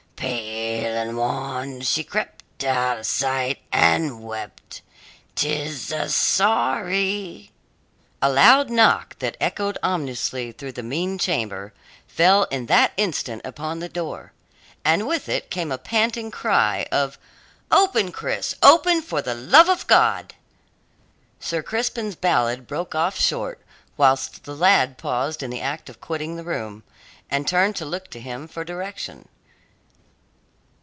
Pale and wan she crept out of sight, and wept 'Tis a sorry A loud knock that echoed ominously through the mean chamber, fell in that instant upon the door. And with it came a panting cry of "Open, Cris! Open, for the love of God!" Sir Crispin's ballad broke off short, whilst the lad paused in the act of quitting the room, and turned to look to him for direction.